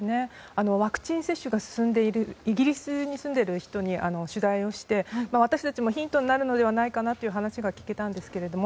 ワクチン接種が進んでいるイギリスに住んでいる人に取材をして、私たちもヒントになるのではないかなという話が聞けたんですけれども。